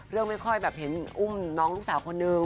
เรื่องไม่ค่อยเห็นอุ่มน้องลูกสาวคนนึง